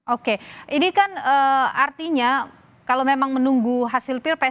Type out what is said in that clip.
oke ini kan artinya kalau memang menunggu hasil pilpres